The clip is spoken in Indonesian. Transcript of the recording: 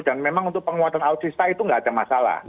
dan memang untuk penguatan alutsisa itu nggak ada masalah